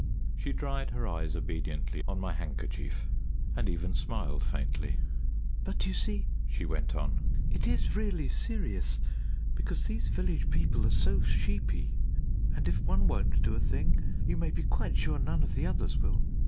She dried her eyes obediently on my handkerchief, and even smiled faintly. "But you see," she went on, "it is really serious, because these village people are so sheepy, and if one won't do a thing you may be quite sure none of the others will.